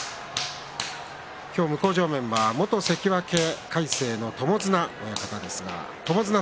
今日、向正面は元関脇魁聖の友綱親方です。